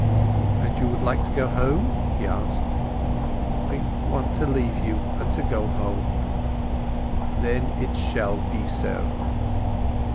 "And you would like to go home?" he asked. "I want to leave you, and go home." "Then it shall be so."